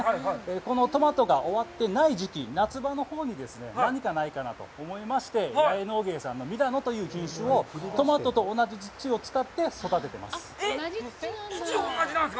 このトマトが終わってない時期、夏場のほうに何かないかなと思いまして、ミラノという品種をトマトと同じ土を使って育ててます。